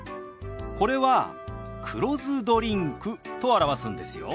これは「黒酢ドリンク」と表すんですよ。